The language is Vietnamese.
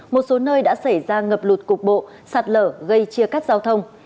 một số nơi đã xảy ra ngập lụt cục bộ sạt lở gây chia cắt giao thông